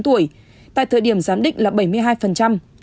hai mươi chín tuổi tại thời điểm giám định là bảy mươi hai